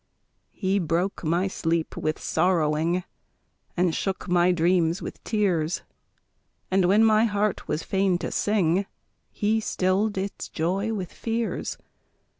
He broke my sleep with sorrowing, And shook my dreams with tears, And when my heart was fain to sing, He stilled its joy with fears.